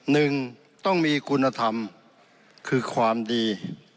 หนึ่งต้องมีคุณธรรมคือความดี